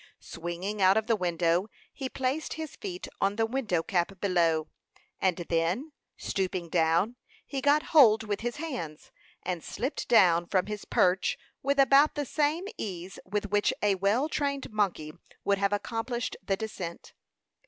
Swinging out of the window, he placed his feet on the window cap below, and then, stooping down, he got hold with his hands, and slipped down from his perch with about the same ease with which a well trained monkey would have accomplished the descent.